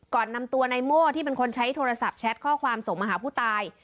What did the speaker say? นำตัวนายโม่ที่เป็นคนใช้โทรศัพท์แชทข้อความส่งมาหาผู้ตาย